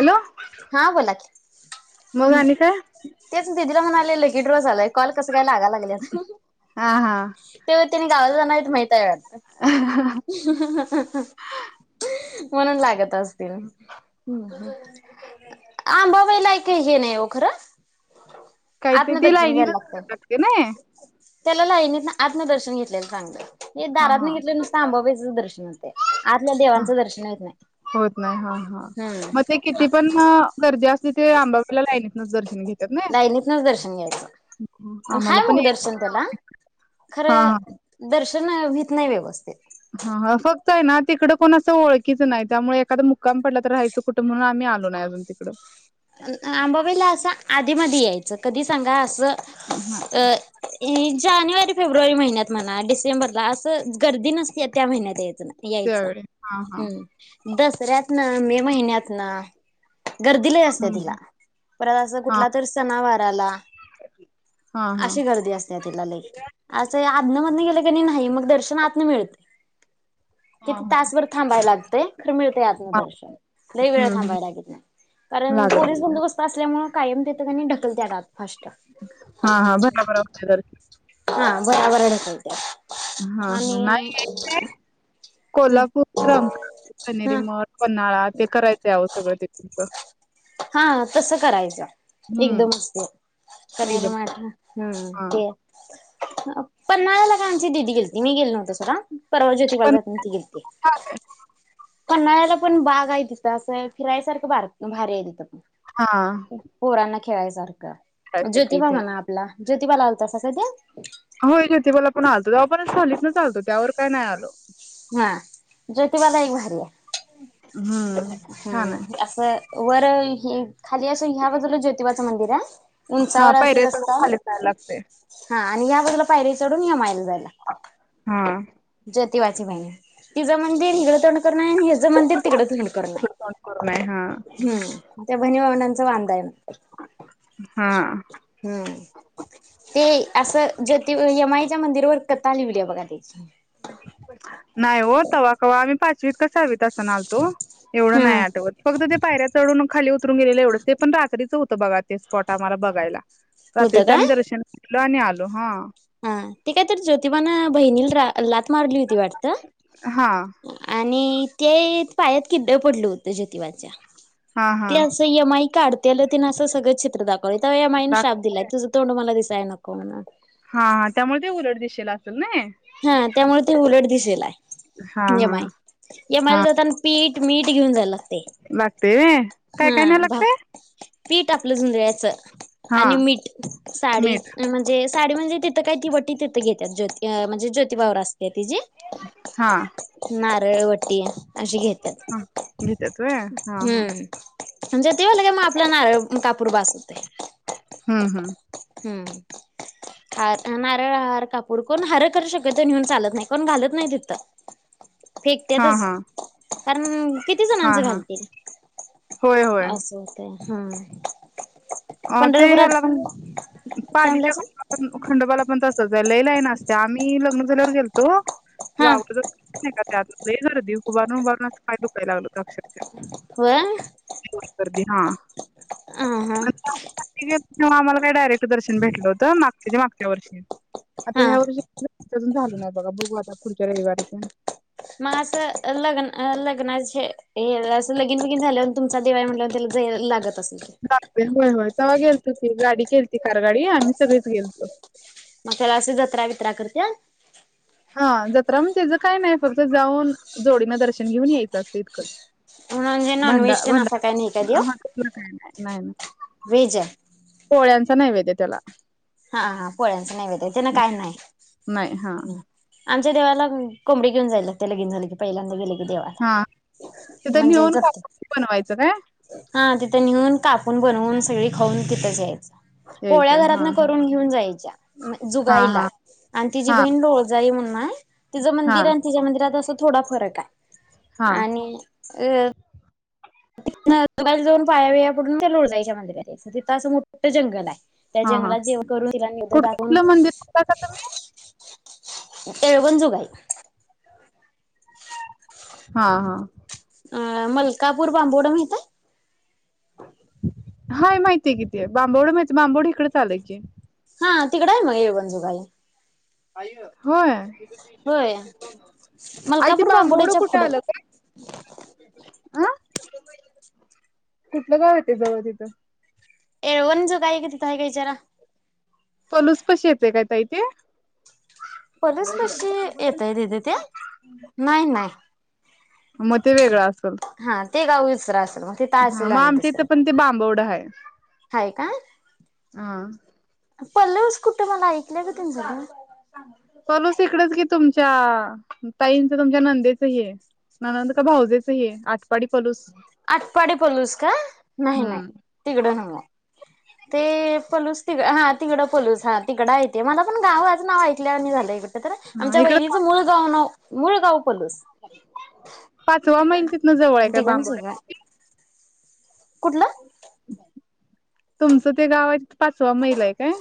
Hello हा बोला क मग आणि काय? तेच दिदीला म्हणा. किड्रॉ झाला कस काय लाग... हा हा. ते त्यांनी गावा... नाही माहितय. [inaudible] म्हणून लागत असतील. आंबावायला एक का हे नाही खरं. काहीतरी ती आत्मदर्शन लाईनी न घ्यायला लागतय ना त्याला लायनीत ना आत्म दर्शन घेतल्यान सांगलं हे हा हा दारातूनघेतलं नुसते आंबाईच दर्शन असते आतल्या ह देवांचं दर्शन येत नाही होत नाही हा हा. हम्म मग ते किती पण गर्दी असू दे अंबाबाईला लाईन मग दर्शन घे त्यात लाईनीत दर्शन घ्यायचं आम्हाला हाय पण मग दर्शन त्याला खर हा दर्शन वित नाही व्यवस्थित हा ह फक्त आहे ना तिकड कोण असं ओळखीच नाही त्यामुळे एखादा मुक्काम पडला तर राहायचं कुठं म्हणून आम्ही आलो ना अजून तिकडं अंबाबाईला असं आत कधि मधि यायच कधी सांगा अस. ह अ जानेवारी. फेब्रुवारी महिन्यात म्हणा डिसेंबरला असं गर्दी नसते त्या महिन्यात य. याच न यायच त्यावेळी हा हा हम दस. पर्यातन मे महिन्यात ना गर्दी लय. त हा दिला परत असं कुठला तर सणावाराला हा हा. अशी गर्दी असते, तिला लई असं अधनं मधनं गेलं क नाही मग दर्शन आतन मिळते. हा किती हा. तासभर थांबायला लागत. ते,. खर मिळते आतन दर्शन लय वेळ हम्म हम्म थांबायला लागत नाही, कारण. लागत पोलीस बंदोबस्त असल्यामुळ. कायम देत. क नाही ढकलत्यात आत फास्ट. हा हा बराबर होते दर्शन हा भराभर ढकलत्यात. हा-हा नाही आणि येत्या. ह कोल्हापूर, रामख, ह खनेरीमठ, पन्हाळा ते करायचं यावस्त गर्दीत तुमच. हा तस करायचं, हम्म एकदम असते कनेरी एकदम मठ हम्म हा ते. पन्हाळ्याला आमची दीदी गेलती मी गेलो नव्हतो सका. परवा ज्योतिबाला पण जातांना ती गेलती. पन्हाळ्याला पण बाग आहे दिसत असं फिरायसारखं भार भारी आहे ति. हा. खेळाय सार. क त्यासाठी ज्योतिबा ते म्हणा आपला. ज्योतिबाला आलतासा सादे. होय जोतिबा ला पण आलतो, तेव्हा पण झालीत ना आलो तो त्यावर काय नाही आलो. हा ज्योतिबाला एक भारी हाय. हम्म हन. असं वर खाली असं ह्या बाजूल ज्योतिबाचं मंदिर हाय. हा उंचावर अस पायऱ्या चढून रस्ता खाली जायला लागतंय. ह आणि या बाजूला पायरी चड. दुनिया मायला जाय लागतय. हा ज्योती वाचे बयने ती जर म्हणदिल. [inaudible] ते तर नाही ह्याच मंदिर तिकड तोंड करून हाय इकडं तोंड करून आहे हा हम्म त्या भनि भावंडांच्. च वांद हाय. हा हम्म, ते असं जोति यमाहि. मंदिरवर कथा लिहिली बघा [unintelligible] नाही हो तवा कवा पा चित् का सहावीत आलतो एवढं नाही हा आठवत फक्त त्या पायऱ्या चढून खाली उतरून गेलेले येवढच ते पण रात्रीचं होत बघा स्पॉट आम्हाला बघायला होतं रात्रीच आम्ही का दर्शन लो अणि आलो हा हा ते काय तर ज्योतिबाना बहिणीला रा लाथ मारली होती वाटत हा आणि ते पायात किडड पडलं होतं ज्यतिबाच्या हा हा तें आस यमाइ काढतेल तेन असं सगळं चित्र दाख माईने शाप लागतय दिलाय तुं तोंड मला दिस जाय नको म्हणून हा त्यामुळे ते उलट दिशेला असेल नाय हा त्यामुळे ते उलट दिस जलाय हा हा येमय येमयला हा जातन पीठ मीठ घेऊन जायला लागतय व्हय काय काय हा न्यायला भा लागतय पीठ आपलं झुंज्यायचं हा आणि मीठ साडी मीठ म्हणजे साडी म्हणजे तिथं काही ति वटी तथ घेतात ज ज्योतीबा वर असते ते हा तची नात रे वटी अशी घेतात...... हा घेत्यात व्हय हा हा हम्म म्हणजे देवाला काय नारळ आणि कापूर बास होते हम्म- हम् नारळ हार कापूर, दोन हार शक्यतो नेऊन चालत नाही कोणी घालत नाही तिथे फेकता हा तच हा कारण किती हा जणांच हा घालतील होय होय असं होत हम्म अ ते ह्याला पण काय पाली च्या म्हणलासा खंडोबा ला पण तसंच ये, लई लाईन असते, आम्ही मी लग्न झाल्यावर फिरतो हा [unintelligible] देऊ वरून बोलनास पाय दुखायला लागले अक्षरशः होय एवढी गर्दी हा हा हा [unintelligible] आम्हाला काय डायरेक्ट दर्शन भेटलं होतं माग त्याच्या मागच्या वर्षी आता हा ह्या वर्षी अजून झाल पुन्हा बघा बघू आता पुढच्या रयवारी पण मग असं लग्न लग्नाचे अस लगीन बगीन झाल्यावर तुमचा दिर हाय म्हंटल्यावर तेला दयायला लागत असत लागतंय होय होय तवा गेलतो की गाडी केलती कारगाडी आम्ही सगळीच गेलतो म त्याला असे जत्रा बित्रा करत्यानं हा जत्रा त्याच काय नाय फक्त जाऊन जोडीनं दर्शन घेऊन यायचं असतं इतकंच म्हणून म्हणजे भंडा नॉनव्हेज तेन असा काय नाही काय भंडा देव असलं काय नाय नाय नाय व्हेज आहे. पोळ्यांच ते नैवेद्य त्याला हा हा पोळ्यांचं नैवेद्य त्याना काय नाय. नाही हा. आमच्या देवाला कोंबडी घेऊन जायला लागते लगीन झालं की पहिल्यांदा गेल की हा देवाला तिथं म्हणजे नेऊन ज कापूस बनवायचं काय? हा तिथं निहून कापून बनवून सगळी खाऊन तिथंचं यायचं पोळ्या यायचं हा घरातनं हा. करून घेऊन जायच्या हा जुगायला हा आणि तीजी हा बहीण लोळजाय म्हणून नाय तिजं हा मंदिर आणि तिज्या मंदिरात असं थोडा फरक हाय. हा. आणि अ [unintelligible] जाऊन पाया बिया पडून त्या लोळजायच्या मंदिरात यायचं तिथं असं मोठं जंगल हाय. हा हा कुठलं मंदिर [unintelligible] तुम्ही? येळवन जुगाई. हा हा. अ मलकापूर बांबोवडं माहीत आहे? हाय माहितीय किती बांबोवडं माहित बांबोवडे इकडच आल की हा तिकडे आहे मग येळवन जुगाई. होय. होय आई ते मलकापूर बांबवडं बांबोड्याच्या कुठे पुढं आलं गं? अं कुठलं गाव येत जवळ तिथं? येळवन जुगाई काय तिथं हाय का विचारा. पलूस पशी येते काय ताई ते? पलसपशी येतय दीदी ते नाही नाही मग ते वेगळं असेल हा. ते गाव दुसरं अस हा मग आमच्या इथं पण ते बांबवडं आहे. [unintelligible] हाय हं. पल्लवस कुठं मला ऐकलं ग [unintelligible] पलूस इकडेच की तुम च्या ताईंच तुमच्या नंदेच ही ननंद का भाऊजेच ही आठपाडी पलूस. आटपाडी पलूस का नाही नाही हम्म तिकडं न्हव. ते पलूस तिकड हा तिकडं पलूस हा तिकडं ऐतेे मला पण गावाचं नाव ऐकलं वाणी झालं इकड तर हा आमच्या इकडं वहिनीचं मूळ गाव नाव मुळ गाव पलूस पाचवा मैल तिथनं जवळ आहे काय बांबवड्या [unintelligible] कुठलं? तुमचं ते गावा आहे तिथं पाचवा मैल आहे काय?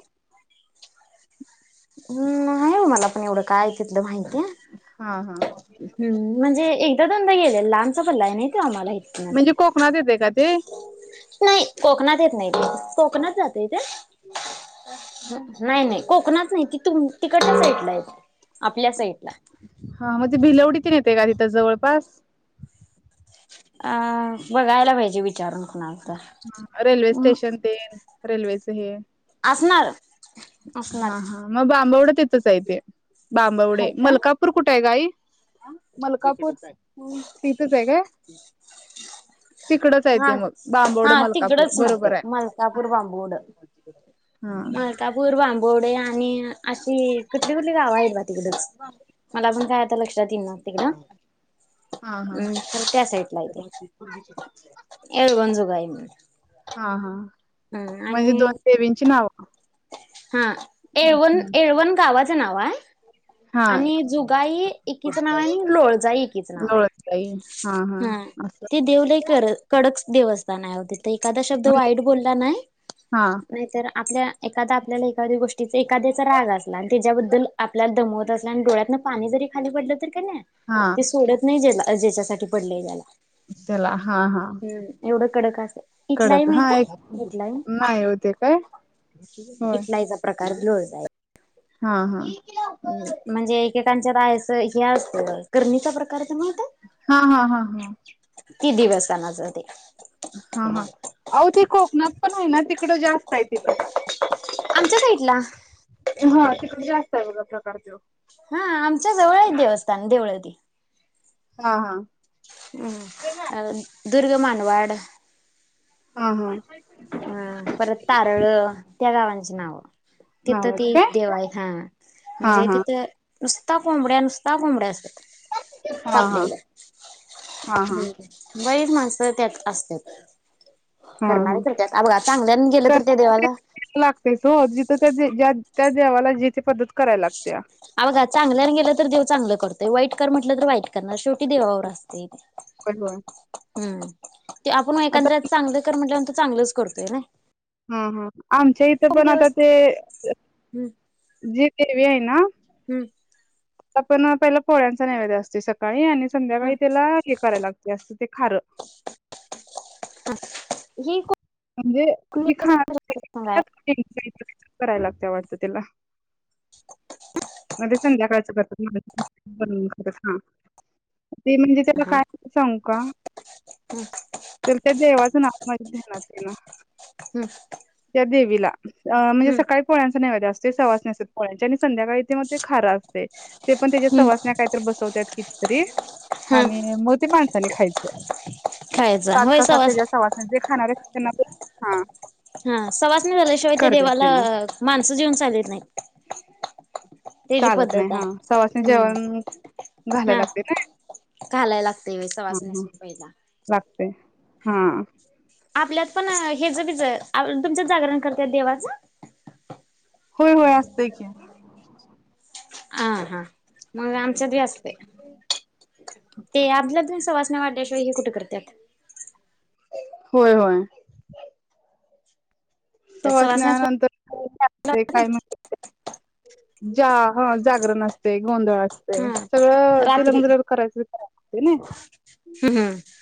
न्हाई ओ मला पन एवढं काय तिथलं माहिती. हा हा हं म्हंजे ए [unintelligible] लांबचा पल्ला हाय नाय कां माहित? म्हणजे कोकणात येतंय कां ते? नाई. कोकनात येतं नाई. कोकनात जात [inaudible] नाही नाही कोकनात नाही ती तुम तिकडच्या साईडला आहे आपल्या साईट हा म्हंजे भिलवडी येते तिथं जवळपास. अ बगायला पायजे विचारून. कुणाला तर हं रेल्वे हम्म स्टेशनं ते. रेल्वेच हे. असणार असणार हा. हा. मग बांबूव्हडं तितचं हाय ते. बांबवडे, हाय का मलकापूर कुठे हाय ग आई? मलकापूर. तिथच हाय काय. [unintelligible] तिकडच हाय ते हा मग. हा बांबवड मलकापूर तिकडंच मग ते बरोबर आहे. मलकापूर बांबूवड. हा मलकापूर बांबू बोडे आणि अशी कुठली कुठली गावं आहेत बा. तिकडच. मला पण काय आता लक्षात येईल ना. तिकडं, हा हा त्या साईटला हाय ते. येळवण जोगाई म्हणून. हा हा हम्म म्हणजे आणि दोन देवीची न [unintelligible] हा. येवण, येळवण गावा चं नाव हाय, हा आणि जुगाई एकीच नाव हाय नी लोळजाई एकीच नाव हाय. हा, ते देव लय कड कडक देवस्थान हाय. तिथं एखादा शब्द म्हणजे वाईट बोलला नाय.. हा नाही तर आपल्या, एखादा आपल्याला एखाद्या गोष्टीत एखाद्याचा राग असला, नी त्याच्याबद्दल आपल्याला [unintelligible] तसंल्याने डोळ्यातन पानी जरी खाली पडलं तर कणी हा ते सोडत नाय ज्याला. ज्याच्यासाठी पडलय त्याला. त्याला हा हा. हम्म एवढं कडक अस कडक. हा एक नाही होते काय, होय ईटलाईचा प्रकार लोजळाई ये. हा. हा. म म्हणजे एकेकांनंचात आहे अस हे अस त. करणीचा प्रकारच तर माहित हा हा हा हा हाय? ती दिवसानाच ते, हा हा. आओ ते कोकणात, पण आहे ना तिकडं जास्त आहे, तित आमच्या साईटला हा तिकडे जास्त आहे बघा प्रकार तो. हा आमच्या जवळ आहेत देवस्थान. देवळ ती. हा हा [unintelligible] दुर्ग मानवाड हा हा अ परत तारळ त्या गावां ची नावं नाव तिथं ती आहेत काय देव आहे हा हा म्हणजे हा तिथं नुसता कोंबड्या नुसता कोंबड्या असं हा हा कापलेल. हा हा हम बाईर माण स त्यात असत्यात. हा हा अ बगा चांगल्यानं गेलं तर ते देवाला. तर त्या ज्या त्या देवाला जी ती पद्धत करायला लागत्या. अ बघा चांगल्यान गेलं तर देव चांगलं करतोय, वाईट कर म्हटलं तर वाईट करणार, शेवटी देवावर असतंय ते. [unintelligible] हम्म ते आपण आता एकंद्र्यात चांगलं कर म्हटल्याव चांगलंच करतोय राय. हम्म हम्म हा आमच्या इथं पण आता ते हम्म जी देवी आहे ना हम्म आपण पहिला पोळ्यांचा नैवेद्य असतोय सकाळी आणि संध्याकाळी हम्म त्याला हे करायला लागते अस ते खारं. ही कु [unintelligible] आहे करायला लागत्या वाटतं तिला. मध्ये संध्याकाळ [unintelligible] ते म्हणजे त्याला हा काय सांगू का, तर त्या देवाचं नाव माहि ध्यानात तेना हम्म अ म्हणजे हम्म सकाळी पोळ्यांचा नैवेद्या असतो. ते सवासनी असत्यात पोळ्याच्या आणि संध्याकाळी ते मग ते खारा असत ते पण त्याच्या हम्म सवासण्या काहीतरी बसवतात, कितीतरी हा आणि मग ते माणसाने खायच, खायचा होय पाच-सात सवास त्याच्या सवासन्या जे खाणारे. त्यांना पण हा. हा सवासन्या झाल्याशिवाय ते करतात देवाला मग माणसं जेवन चालत नाही. त्याची चालत नाही. पद्धत हा सवासणी आहे हम्म जेवण घालाय लागतय हा घालायला लागते व हा सवासण्यासून पहिला लाग. काय हा. आपल्यात पण हेच बीज तुमच्यात जागरण करत्यात देवाचं. होय होय असतंय की. हा हा मग आमच्यात बी असतय, ते आपल्या तु सवाासना वाढल्याशिवाय हे कुठे करतात. होय होय. त्या सववा स्ने [unintelligible] सवासण्याच नंतर काय म्ह जा ह जागरण असते गोंधळ अस तय हा सगळं ति रात्री मात्र करायच नाय. हम्म हम्म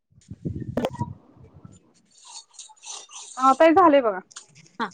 [inaudible] हा ताई झालंय बघा. हा.